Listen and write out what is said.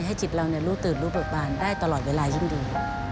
จิตเรารู้ตื่นรู้เบิกบานได้ตลอดเวลายิ่งดี